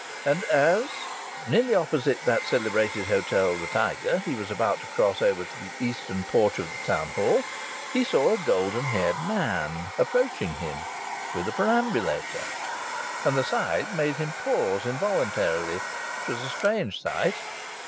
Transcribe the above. And as, nearly opposite that celebrated hotel, the Tiger, he was about to cross over to the eastern porch of the Town Hall, he saw a golden haired man approaching him with a perambulator. And the sight made him pause involuntarily. It was a strange sight.